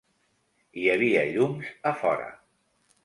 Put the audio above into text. Hi havia llums a fora.